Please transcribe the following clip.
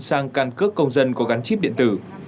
sang căn cước công dân có gắn chip điện tử